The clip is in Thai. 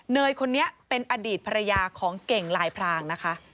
เนยคนนี้เป็นอดีตภรรยาของเก่งลายพรางนะคะ